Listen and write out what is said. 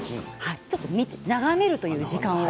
ちょっと眺めるという時間を。